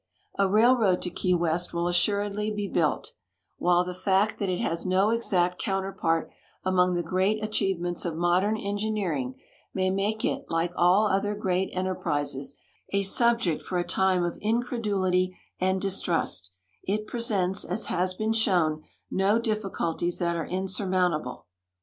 A railroad to Key West will assuredl}' be built, ^\'hile the fact that it has no exact counterpart among the great achieve ments of modern engineering may make it, like all other great enterprises, a subject for a time of incredulity and distrust, it presents, as has been shown, no difficulties that are insurmount able.